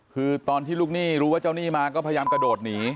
คือตอนที่ลูกหนี้รู้ว่าเจ้าหนี้มาก็พยายามกระโดดหนี